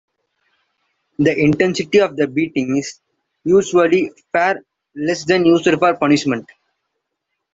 The intensity of the beating is usually far less than used for punishment.